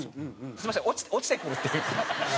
すみません落ちてくるっていうのは？